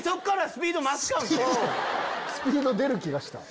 スピード出る気がした。